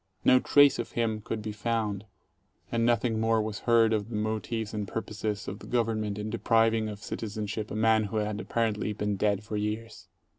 No trace of him could be found, and nothing more was heard of the motives and purposes of the Government in depriving of citizenship a man who had apparently been dead for years.